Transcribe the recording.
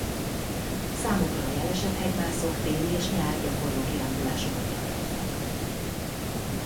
Számukra a jelesebb hegymászók téli és nyári gyakorló-kirándulásokat tartottak.